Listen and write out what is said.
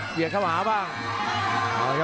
เบียนเข้าหาบ้าง